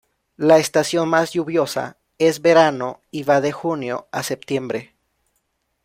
La estación más lluviosa es verano y va de junio a septiembre.